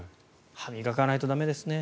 歯を磨かないと駄目ですね。